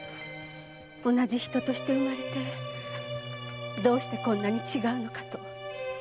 同じ人として生まれてどうしてこんなに違うのかと。